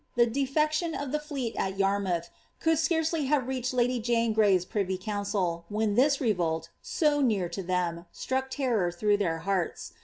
The defection of the fleet at Yarmouth could scarcely have reached lady Jane Gray'^s pri\'y council, when this revolt, so near to them, struck terror through their hearts.